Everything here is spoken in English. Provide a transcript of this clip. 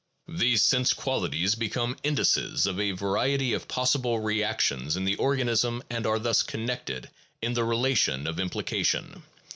These sense qualities become indices of a variety of possible reactions in the organism and are thus connected in the relation of implication.